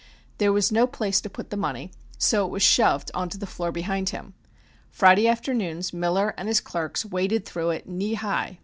There was no place to put the money, so it was shoved on to the floor behind him. Friday afternoons Miller and his clerks waded through it, knee high.